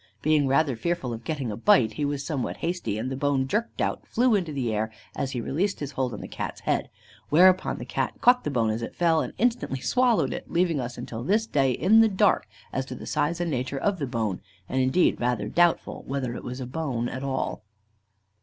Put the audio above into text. Being rather fearful of getting a bite, he was somewhat hasty, and the bone jerked out, flew into the air, as he released his hold of the Cat's head, whereupon the Cat caught the bone as it fell, and instantly swallowed it, leaving us until this day in the dark as to the size and nature of the bone, and indeed, rather doubtful whether it was a bone at all.